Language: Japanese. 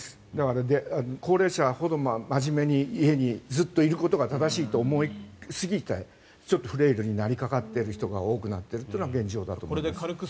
高齢者ほど真面目に家にずっといることが正しいと思いすぎてちょっとフレイルになりかかっている人が増えているのが現状です。